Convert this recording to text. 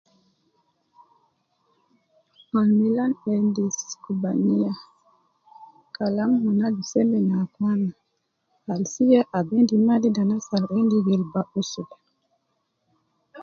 Al milan endis kubaniya, kalam mon aju seme ne akwana, al siya ab endi mma de ta anas al endi gelba aswe.